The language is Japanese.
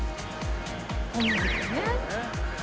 小麦粉ね。